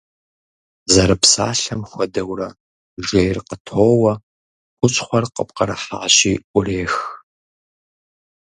Зэрыпсалъэм хуэдэурэ, жейр къытоуэ, хущхъуэр къыпкърыхьащи Ӏурех.